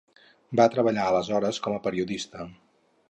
Va treballar aleshores com a periodista.